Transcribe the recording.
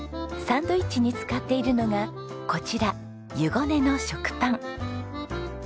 サンドイッチに使っているのがこちら湯ごねの食パン。